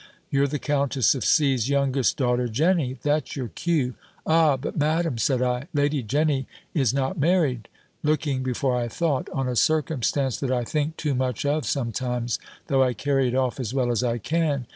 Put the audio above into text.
You're the Countess of C.'s youngest daughter Jenny That's your cue." "Ah? but, Madam," said I, "Lady Jenny is not married," looking (before I thought) on a circumstance that I think too much of sometimes, though I carry it off as well as I can.